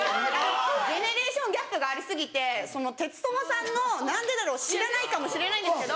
ジェネレーションギャップがあり過ぎてテツトモさんの「なんでだろう」を知らないかもしれないんですけど。